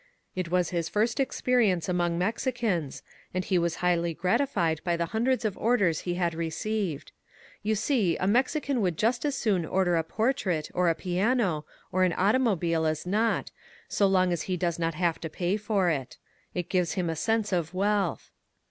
It was his first experience among Mexicans, and he was highly grati fied by the hundreds of orders he had received. You see, a Mexican would just as soon order a portrait, or a piano, or an automobile as not, so long as he does not have to pay for it. It gives him a sense of wealth.